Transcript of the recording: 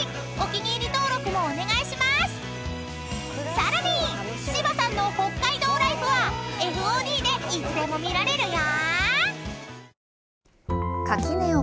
［さらに柴さんの北海道ライフはＦＯＤでいつでも見られるよ］